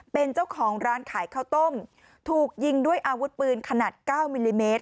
เป็นเจ้าของร้านขายข้าวต้มถูกยิงด้วยอาวุธปืนขนาด๙มิลลิเมตร